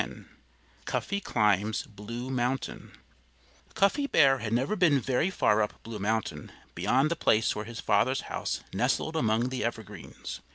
X CUFFY CLIMBS BLUE MOUNTAIN Cuffy Bear had never been very far up Blue Mountain beyond the place where his father's house nestled among the evergreens.